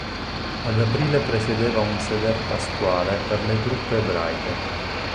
Ad aprile presiedeva un seder pasquale per le truppe ebraiche.